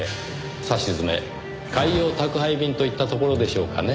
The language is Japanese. さしずめ海洋宅配便といったところでしょうかね。